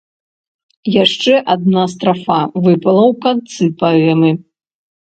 Яшчэ адна страфа выпала ў канцы паэмы.